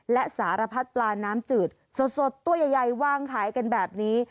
และสารพัดปลาน้ำจืดสดตัวใหญ่วางขายกันแบบนี้